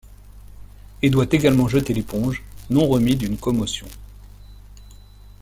Et doit également jeter l'éponge, non remis d'une commotion.